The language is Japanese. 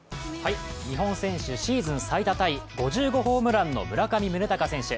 日本選手シーズン最多タイ、５５号ホームランの村上宗隆選手。